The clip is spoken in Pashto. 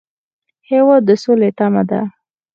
هېواد د سولې تمه ده.